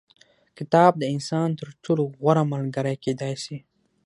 کتاب د انسان تر ټولو غوره ملګری کېدای سي.